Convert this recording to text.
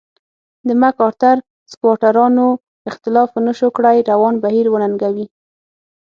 د مک ارتر او سکواټورانو اختلاف ونشو کړای روان بهیر وننګوي.